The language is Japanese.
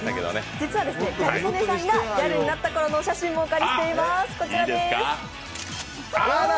実はギャル曽根さんがギャルになったころのお写真もお借りしています。